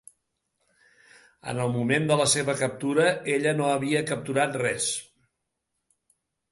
En el moment de la seva captura, ella no havia capturat res.